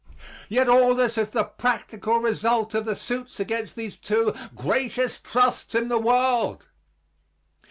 Yet all this is the practical result of the suits against these two greatest trusts in the world.